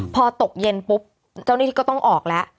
พอตกเย็นปุ๊บเจ้าหน้าที่ก็ต้องออกแล้ว